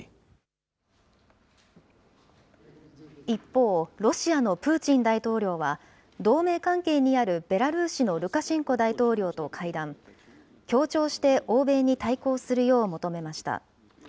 一方、ロシアのプーチン大統領は、同盟関係にあるベラルーシのルカシェンコ大統領と会談。協調して欧米に対抗するよう求めました。